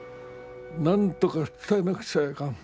なんとか伝えなくちゃいかん。